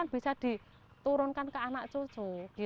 bisa diturunkan ke anak cucu